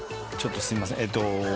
ちょっとすいません。